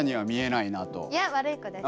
いや悪い子です。